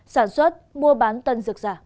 sản xuất mua bán tân dược giả